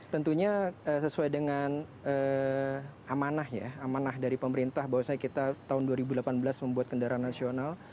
tentunya sesuai dengan amanah ya amanah dari pemerintah bahwasanya kita tahun dua ribu delapan belas membuat kendaraan nasional